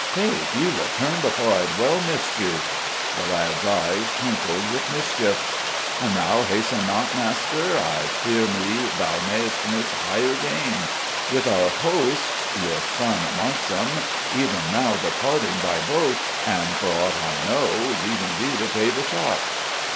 "Faith, you return before I had well missed you." The lad's eyes twinkled with mischief. "An thou hasten not, master, I fear me thou may'st miss higher game; with our hosts your son amongst 'em even now departing by boat and, for aught I know, leaving thee to pay the shot."